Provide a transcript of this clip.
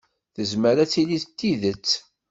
Tezmer ad tili d tidet.